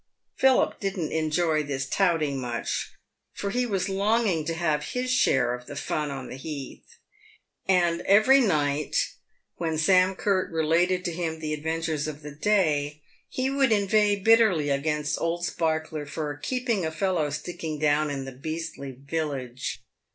Philip didn't enjoy this " touting " much, for he was longing to have his share of the fun on the heath ; and every night, when Sam Curt related to him the adventures of the day, he would inveigh bitterly against old Sparkler for "keeping a fellow sticking down in the beastly village."